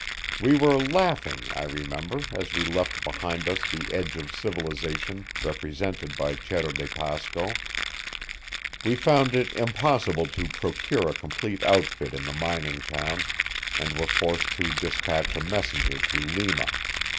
We were laughing, I remember, as we left behind us the edge of civilization represented by Cerro de Pasco. We found it impossible to procure a complete outfit in the mining town, and were forced to despatch a messenger to Lima.